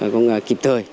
cũng kịp thời